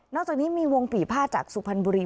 นอกจากนี้มีวงผีผ้าจากสุพรรณบุรี